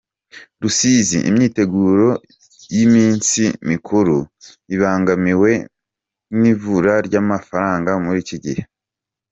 Rusizi Imyiteguro y’iminsi mikuru ibangamiwe n’ibura ry’amafaranga muri iki gihe